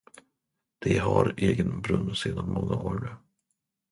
De har egen brunn sedan många år nu.